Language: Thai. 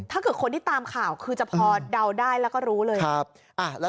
ถ้าเกิดคนที่ตามข่าวคือจะพอเดาได้แล้วก็รู้เลย